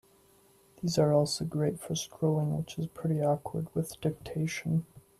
These are also great for scrolling, which is pretty awkward with dictation.